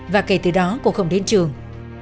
và kể từ đó cô không đến trường